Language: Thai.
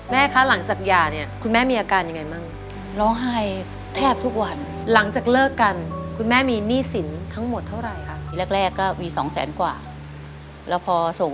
แม่คะหลังจากหย่าเนี่ยคุณแม่มีอาการยังไงมั้ง